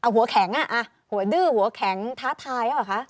หัวแข็งหัวดื้อหัวแข็งท้าทายหรือเปล่าคะ